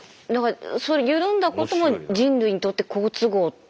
その緩んだことも人類にとって好都合ってことですよね？